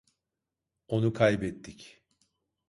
Onu kaybettik.